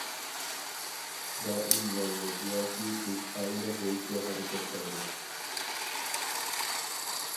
دائىم يالغۇز ياكى بىز ئائىلە بويىچە ھەرىكەت قىلىدۇ.